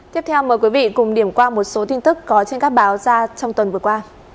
tiếp theo mời quý vị cùng điểm qua một số tin tức có trên các báo ra trong tuần vừa qua